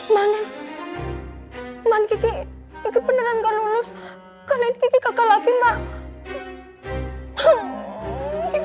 manggih nggih itu beneran gak lulus kalian kaki lagi mbak